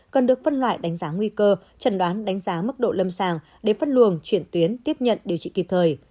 cần được phân loại đánh giá nguy cơ trần đoán đánh giá mức độ lâm sàng để phân luồng chuyển tuyến tiếp nhận điều trị kịp thời